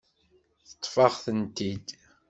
Teṭṭef-aɣ-tent-id.